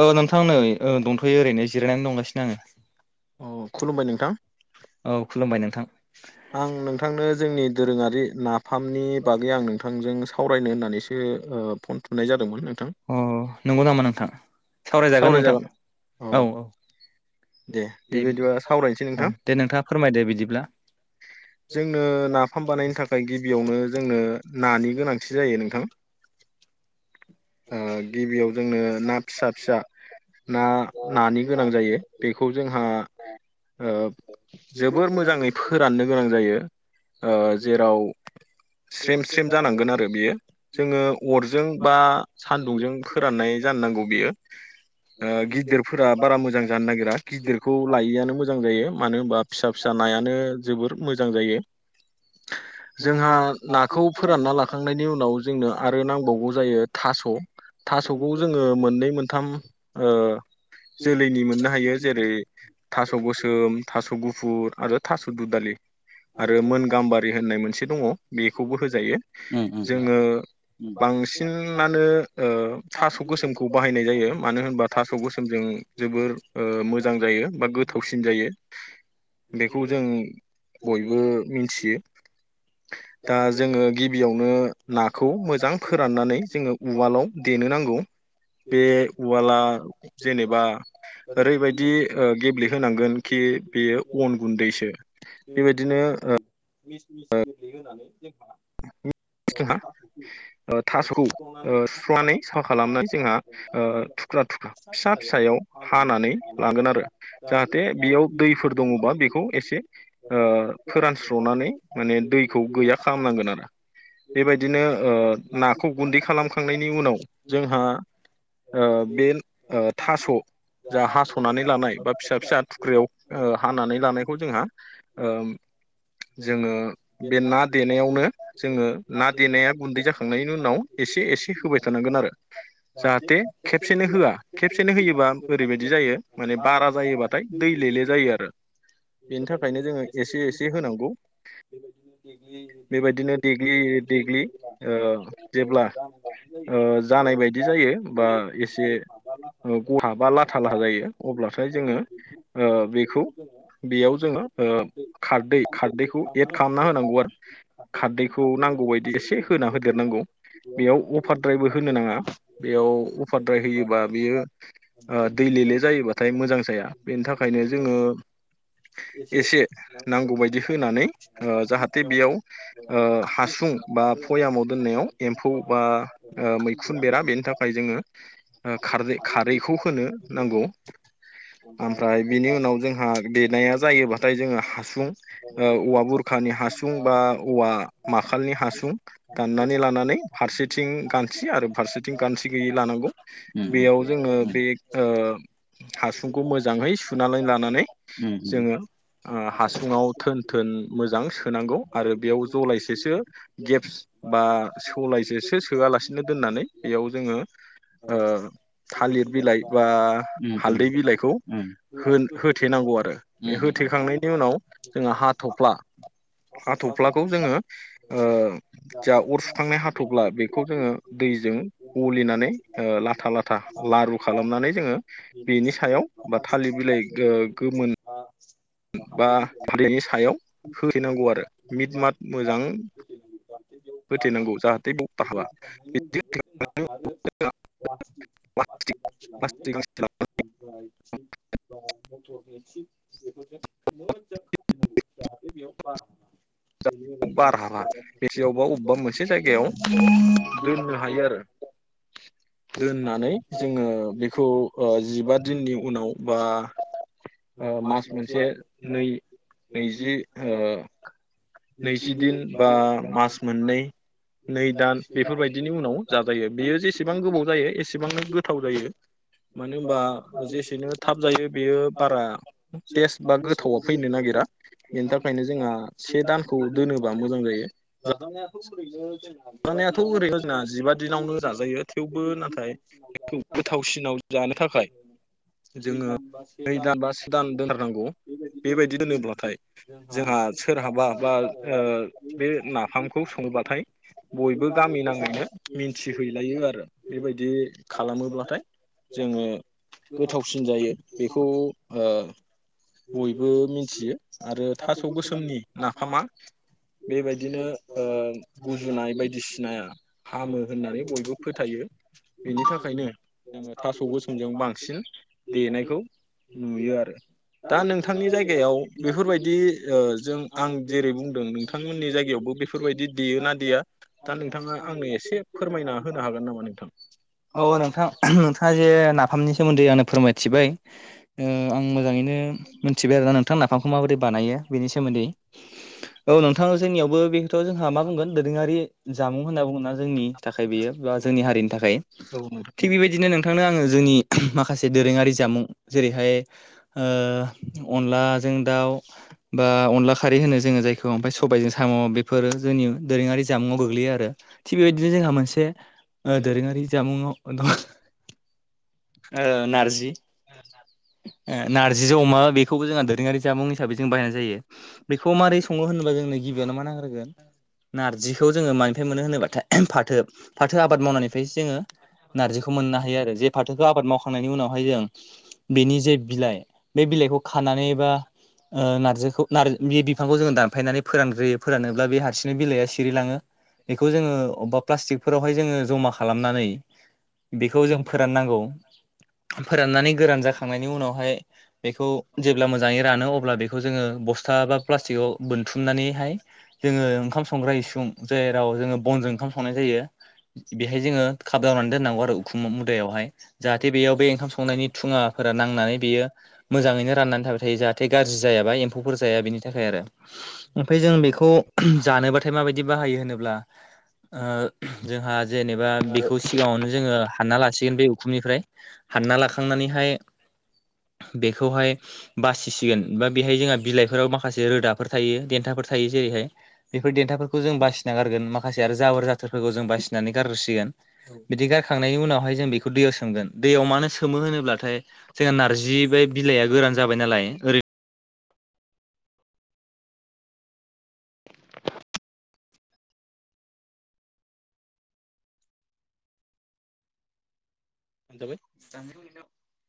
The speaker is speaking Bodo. औ नोंथां नै ओ दंथ फैयो ओरैनो जिरायनानै दंगासिनो आङो औ खुलुमबाय नोंथां आं नोंथांनो जोंनि दोरोङारि नाफामनि बागै आं नोंथांजों सावरायनो होननानैसो फन थुनाय जादोंमोन नोंथां सावराय जागोन औ दे बेबायदिबा सावरायनोसै नोंथां जोंनो नाफाम बानायनो थाखाय गिबियावनो जोंनो नानि गोनांथि जायो नोंथां ओ गिबियाव जोंनो ना फिसा फिसा ना नानि गोनां जायो बेखौ जोंहा ओ जोबोर मोजाङै फोराननो गोनां जायो ओ जेराव स्रेम स्रेम जानांगोन आरो बेयो जोङो अरजों बा सान्दुंजों फोराननाय जानो नांगौ बेयो ओ गिदिरफोरा बारा मोजां जानो नागिरा गिदिरखौ लायैआनो मोजां जायो मानो होनबा फिसा फिसा नायानो जोबोर मोजां जायो जोंहा नाखौ फोरानना लाखांनायनि उनाव जोंनो आरो नांबावगौ जायो था स' थास'खौ जोङो मोननै मोनथाम ओ [unintelligible] दालि आरो मोन गाम्बारि होननाय मोनसे दङ' बेखौबो होजायो जोङो बांसिननानो ओ थास' गोसोमखौ बाहायनाय जायो मानो होनबा थास' गोसोमजों जोबोर ओ मोजां जायो। यो गोथावसिन जायो बे [unintelligible] जों बयबो मिनथियो दा जोङो गिबियावनो नाखौ मोजां फोराननानै जोङो उवालाव देनो नांगौ बे उवाला जेनेबा ओरैबायदि ओ गेब्लेहोनांगोन खि बे बेयो अन गुन्दैसो बेबायदिनो ओ मिस मिस गब्लेहोनानै जोंहा [unintelligible] ओ थास'खौ ओ सुस्रनानै साफा खालामनानै जोंहा ओ थुख्रा थुख्रा फिसा फिसायाव हानानै नांगोन आरो जाथे बेयाव दैफोर दङ'बा बेखौ एसे ओ फोरानस्रनान नै माने दैखौ गैया खालामनांगोन आरो बेबायदिनो ओ नाखौ गुन्दै खालामखांनायनि उनाव जोंहा ओ बेन ओ थास' जा हास'नानै लानाय बा फिसा फिसा थुख्रियाव ओ हानानै लानायखौ जोंहा ओम जोङो बे ना देनायावनो जोङो ना देनाया गुन्दै जाखांनायनि उनाव एसे एसे होबाय थानांगोन आरो जाहाथे खेबसेनो होआ खेबसेनो होयोबा ओरैबायदि जायो माने बारा जायोबाथाय दै लेले जायो आरो । बेनि थाखायनो जोङो एसे एसे होनांगौ बेबायदिनो देग्लि देग्लि । देग्लि देग्लि ओ जेब्ला ओ जानाय बायदि जायो बा एसे गहा बा लाथा ला जायो अब्लाथाय जोङो ओ बेखौ बेयाव जोङो ओ खारदै खारदैखौ एद खालामना होनांगौ आरो खारदै खौ नांगौ बायदि एसे होना होदेरनांगौ । बेयाव अफारद्रायबो होनो नाङा बेयाव अफारद्राय होयोबा बेयो ओ दैेलेले जायोबाथाय मोजां जाया बेनि थाखायनो जोङो एसे नांगौबायायदि होनानै ओ जाहाथे बेयाव ओ हासुं बा पयामाव दोननायाव एम्फौ बाओ मैखुन बेरा बेनि थाखाय जोङो खारै खारैखौ होनो नांगौ । ओमफ्राय बिनि उनाव जोंहा देनाया जायोबाथाय जोङो हासुं ओ औवा बुरखा नि हासुं बा औवा माखालनि हासुं दाननानै लानानै फारसेथिं गानसि आरो फारसेथिं गानसि गैयै लानांगौ बेयाव जोङो बे ओ हासुंखौ मोजाङै सुनानै लानानै जोङो ओ हासुङाव थोन थोन मोजां सोनांगौ आरो बेयाव जलायसेसो गेपस बा सौलाय सेसो सोआलासेनो दोननानै बेयाव जोङो ओ थालिर बिलाइ बा हालदै बिलाइखौ होन होथेनांगौ आरो बे होथेखांनायनि उनाव जोंहा हा थफ्ला [unintelligible] जोंङो ओ जोहा अर सुखांनाय हाथ ' थ'ब्ला बेखौ जोङो दैजों गलिनानै ओ लाथा लाथा लारु खालामनानै जोङो बेनि सायाव बा थालिर बिलाइ गो-गोमोन बा [unintelligible] सायाव होथेनांगौ आरो मिट मात मोजां होथैनांगौ जाहाथे बारा [unintelligible] [unintelligible] मसि बेफोरजों मोजां खाथेनांगौ जाहाथे बेयाव बार हाबा । बेनि उनाव जों [unintelligible] अबबा मोनसे जायगायाव दोननो हायो आरो । दोननानै जोङो बेखौ ओ जिबा दिननि उनाव बा ओ मास मोनसे नै नैजि ओ नैजि दिन बा मास मोननै नै दान बेफोरबायदिनि उनाव जाजायो बेयो जेसेबां गोबाव जायो एसेबांनो गोथाव जायो । मानो होनबा जेसेनो थाब जायो बेयो बारा टेस्ट बा गोथावा फैनो नागिरा। दा बेनि थाखायनो जोंहा से दानखौ दोनोबा मोजां जायो । [unintelligible] जानायाथ' ओरैनो जोंना जिबा दिनावनो जाजायो थेवबो नाथाय गोथावसिनाव जानो थाखाय जोङो नै दान बा से दान दोनथारनांगौ । बेबायदि दोनोब्लाथाय जोंहा सोरहाबा बा ओ बे नाफामखौ संब्लाथाय बयबो गामि नाङैनो मिन्थिहैलायो आरो बेबायदि खालामोब्लाथाय । जोङो गोथावसिन जायो बेखौ ओ बयबो मिथियो आरो थास' गोसोमनि नाफामा बेबायदिनो ओ गुजुनाय बायदिसिनाया हामो होननानै बयबो फोथायो । बेनि थाखायनो जोङो थास' गो सोमजों बांसिन देनायखौ नुयो आरो दा नोंथांनि जायगायाव बेफोरबायदि ओ जों आं जेरै बुं दों ओं नोंथांमोननि जायगायावबो बेफोरबायदि दिया दा नोंथाङा आंनो एसे फोरमायना होनो हागोन नामा नोंथां? औ नोंथां नोंथाङा जे ना फामनि सोमोन्दै आंनो फोरमायथिबाय आं मोजाङैनो मोनथिबाय आरो नों थां नाफामखौ माबोरै बानायो बेनि सोमोन्दै औ नोंथां जोंनियावबो बेखौथ' जोंहा मा बुंगोन दोरोङारि जामुं होनना बुङोना जोंनि थाखाय बेयो बा जोंनि हारिनि थाखाय थिग बेबायदिनो नों थांनो आङो जोंनि माखासे दोरोङारि जामुं जेरैहाय ओ अनला जों दाउ बा अनला खारै होनो जोङो जायखौ ओमफ्राय सबायजों साम' बेफोर जोंनि दोरोङारि जामुङाव गोग्लैयो आरो थिग बेबायदिनो जोंहा मोनसे दोरोङारि जामुङाव [inaudible] दं ओ नारजि ओ नारजि अमा बेखौबो जोंहा दोरोङारि जामुं हिसाबै जों बायनाय जायो बेखौ माबोरै सङो होनोबा जों गिबियावनो मा नां होगोन नारजिखौ जोङो मानिफ्राय मोनो होनोबाथाय फाथो फाथो आबाद मावनायनिफ्राय जोङो नारजिखौ मोननो हायो आरो जे आबाद मावखांनायनि उनावहाय जों बेनि जे बिलाइ बे बिलाइखौ खानानै एबा ओ नारजिखौ [unintelligible] बे बिफांखौ जोङो दान फायनानै फोरानग्रोयो फोरानोब्ला बे हारसिंनो बिलाइया सिरिलाङो बेखौ जोङो अबेबा प्लास्टिकफोरावहाय जोङो जमा खालामनानै बेखौ जों फोराननांगौ। फोराननानै गोरान जाखांनायनि उनावहाय बेखौ जेब्ला मो जाङै रानो अब्ला बेखौ जोङो बस्था बा प्लास्टिक आव बोनथुमनानैहाय जोङो ओंखाम संग्रा इसुं जेराव जोङो बनजों ओंखाम संनाय जायो बेहाय जोङो खाबदावनानै दोननांगौ आरो उखुम मुदायावहाय जाहाथे बेयाव बे ओंखाम संनायनि धुङाफोर नांनानै बियो मोजाङैनो राननानै थाबाय थायो जाहाथे गाज्रि जायाबा एम्फौफोर जाया बिनि थाखाय आरो ओमफ्राय जों बेखौ जानोब्लाथाय माबायदि बाहायो होनोब्ला ओ जोंहा जेनेबा बेखौ सिगाङावनो जोङो हानना लासिगोन बे उखुमनिफ्राय हानना लाखांनानैहाय बेखौहाय बासिसिगोन बा बेहाय जोंहा बिलाइफोराव माखासे रोदाफोर थायो देन्था थायो जेरैहाय बेफोर देन्थाफोरखौ जों बासिना गारगोन माखासे आरो जाबोर जाथोरफोरखौ जों बासिनानै गारसि गोन‌ बिदि गारखांनायनि उनावहाय जों बेखौ बे दैयाव सोमगोन दैयाव मानो सोमो होनोब्लाथाय जोंहा नारजि बे बिलाइया गोरान जाबाय नालाय ओरै [inaudible]